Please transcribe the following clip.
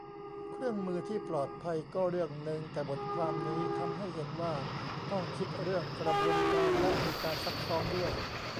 เครื่องมือที่ปลอดภัยก็เรื่องนึง แต่บทความนี้ทำให้เห็นว่าต้องคิดเรื่องกระบวนการและมีการซักซ้อมด้วย